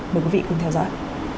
mời quý vị cùng theo dõi